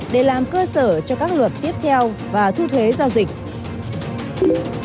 để làm cơ sở cho các luật tiếp theo và thu thuế giao dịch